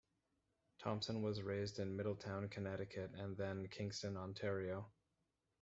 Thompson was raised in Middletown, Connecticut and then Kingston, Ontario.